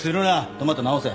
トマト直せ。